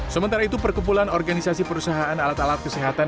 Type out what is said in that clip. sementara itu perkumpulan organisasi perusahaan alat alat kesehatan